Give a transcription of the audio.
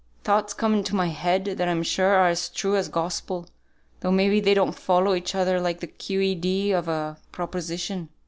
Thoughts come into my head that I'm sure are as true as Gospel, though may be they don't follow each other like the Q. E. D. of a Proposition.